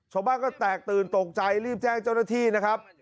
ชาวบ้านก็แตกตื่นตกใจรีบแจ้งเจ้าหน้าที่นะครับ